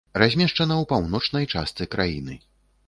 Размешчана ў паўночнай частцы краіны.